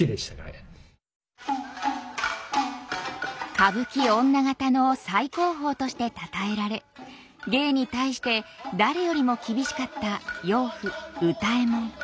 歌舞伎女方の最高峰としてたたえられ芸に対して誰よりも厳しかった養父歌右衛門。